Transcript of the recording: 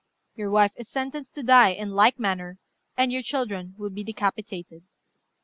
Your wife is sentenced to die in like manner; and your children will be decapitated.